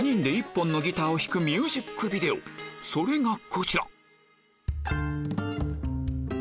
それがこちら